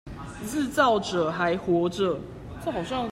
自造者還活著